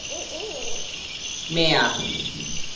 咩呀!